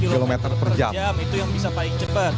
satu km per jam itu yang bisa paling cepat